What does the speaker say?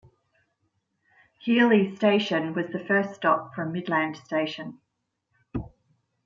Heeley station was the first stop from Midland Station.